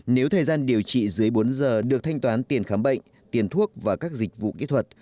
nếu thời gian điều trị dưới bốn giờ được thanh toán tiền khám bệnh tiền thuốc và các dịch vụ kỹ thuật